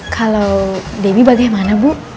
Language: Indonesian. kalo debbie bagaimana bu